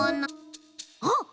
あっ！